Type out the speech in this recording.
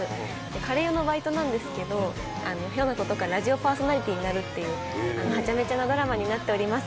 カレー屋のバイトなんですけどひょんな事からラジオパーソナリティーになるっていうはちゃめちゃなドラマになっております。